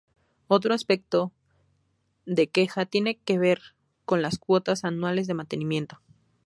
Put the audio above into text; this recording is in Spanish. Otro aspecto de queja tiene que ver con las cuotas anuales de mantenimiento.